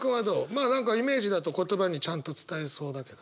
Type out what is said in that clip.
まあ何かイメージだと言葉にちゃんと伝えそうだけど。